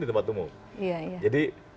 di tempat umum jadi